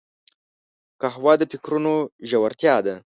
قهوه د فکرونو ژورتیا ده